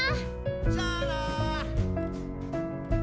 じゃあな。